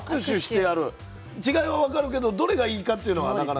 違いは分かるけどどれがいいかっていうのはなかなか。